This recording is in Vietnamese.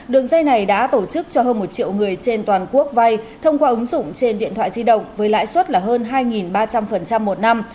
đường dây này đã tổ chức cho hơn một triệu người trên toàn quốc vay thông qua ứng dụng trên điện thoại di động với lãi suất là hơn hai ba trăm linh một năm